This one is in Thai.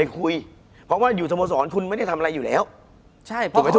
คุณผู้ชมบางท่าอาจจะไม่เข้าใจที่พิเตียร์สาร